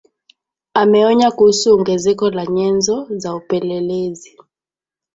ameonya kuhusu ongezeko la nyenzo za upelelezi